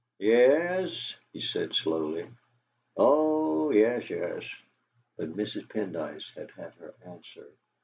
"Yes," he said slowly "oh yes, yes!" But Mrs. Pendyce had had her answer.